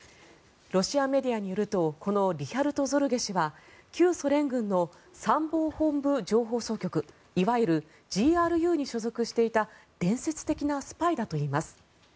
ロシアメディアによるとこのリヒャルト・ゾルゲ氏は旧ソ連軍の参謀本部情報総局いわゆるＧＲＵに所属していた伝説的なスパイだといいます。